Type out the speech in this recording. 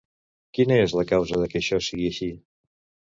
Quina és la causa de què això sigui així?